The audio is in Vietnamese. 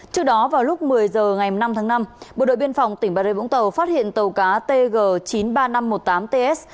trước đó vào lúc một mươi h ngày năm tháng năm bộ đội biên phòng tỉnh bà rê vũng tàu phát hiện tàu cá tg chín mươi ba nghìn năm trăm một mươi tám ts